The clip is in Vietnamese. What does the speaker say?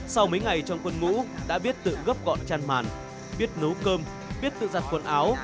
sau mấy ngày trong quân ngũ đã biết tự gấp gọn chăn màn biết nấu cơm biết tự giặt quần áo